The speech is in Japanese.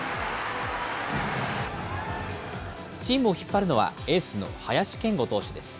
チームを引っ張るのは、エースの林謙吾投手です。